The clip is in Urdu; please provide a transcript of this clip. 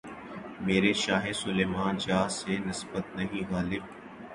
میرے شاہِ سلیماں جاہ سے نسبت نہیں‘ غالبؔ!